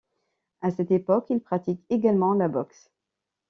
À cette époque, il pratique également la boxe.